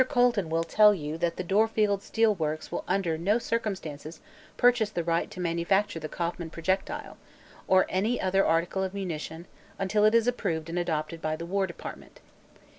Colton will tell you that the Dorfield Steel Works will under no circumstances purchase the right to manufacture the Kauffman projectile or any other article of munition until it is approved and adopted by the War Department.